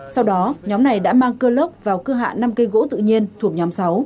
sau đó nhóm này đã mang cơ lớp vào cơ hạ năm cây gỗ tự nhiên thuộc nhóm sáu